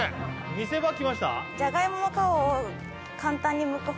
見せ場きました？